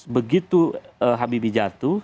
begitu habibie jatuh